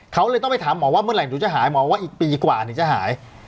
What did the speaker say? เขาเลยต้องไปถามหมอว่าเมื่อไหร่หนูจะหายหมอว่าอีกปีกว่าหนูจะหาย